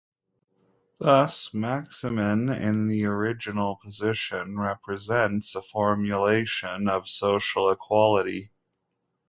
Thus, maximin in the original position represents a formulation of "social equality".